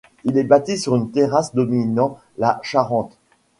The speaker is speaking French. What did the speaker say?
Il est bâti sur une terrasse dominant la Charente.